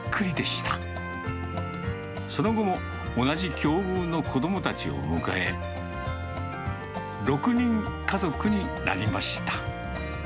その後も、同じ境遇の子どもたちを迎え、６人家族になりました。